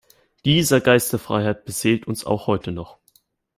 Dieser Geist der Freiheit beseelt uns auch heute noch.